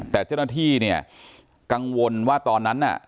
แต่เจ้าหน้าที่เนี่ยกังวลว่าตอนนั้นน่ะ